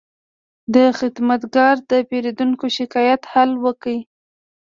دا خدمتګر د پیرودونکي د شکایت حل وکړ.